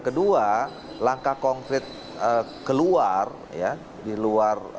kedua langkah konkret keluar ya di luar